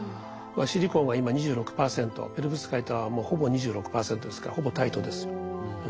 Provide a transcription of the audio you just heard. シリコンは今２６％ペロブスカイトはもうほぼ２６％ですからほぼ対等ですよ。